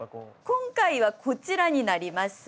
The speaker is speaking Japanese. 今回はこちらになります。